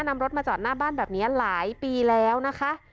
นำรถมาจอดหน้าบ้านแบบนี้หลายปีแล้วนะคะ